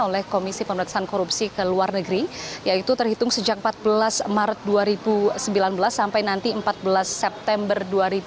oleh komisi pemerintahan korupsi ke luar negeri yaitu terhitung sejak empat belas maret dua ribu sembilan belas sampai nanti empat belas september dua ribu dua puluh